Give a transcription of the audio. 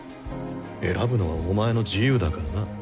選ぶのはお前の自由だからな。